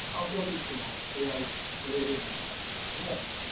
Others who have been attacked include Fredrik Reinfeldt, Prime Minister of Sweden.